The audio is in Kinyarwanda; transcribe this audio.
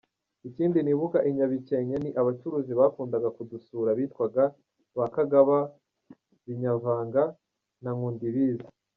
Ikindi nibuka i Nyabikenke ni abacuruzi bakundaga kudusura bitwaga ba Kagaba, Binyavanga na Nkundibiza.